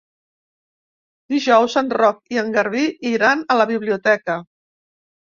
Dijous en Roc i en Garbí iran a la biblioteca.